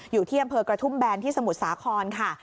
อยู่ที่อำเภอกระทุ่มแบนที่สมุทรสาครค่ะ